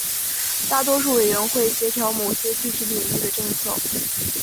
大多数委员会协调某些具体领域的政策。